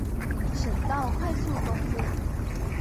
省道快速公路